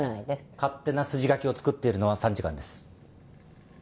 勝手な筋書きを作っているのは参事官です。